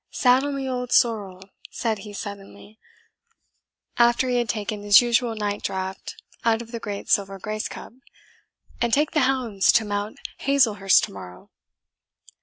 'Saddle me old Sorrel,' said he suddenly, after he had taken his usual night draught out of the great silver grace cup, 'and take the hounds to Mount Hazelhurst to morrow.'